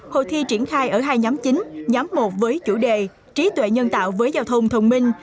hội thi triển khai ở hai nhóm chính nhóm một với chủ đề trí tuệ nhân tạo với giao thông thông minh